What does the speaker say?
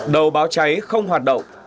đầu báo cháy không hoạt động